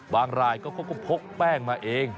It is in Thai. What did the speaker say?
บางลายก็พกแป้งมาเอง